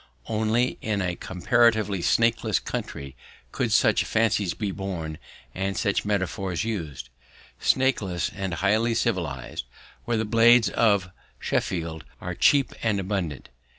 Only in a comparatively snakeless country could such fancies be born and such metaphors used snakeless and highly civilized, where the blades of Sheffield are cheap and abundant.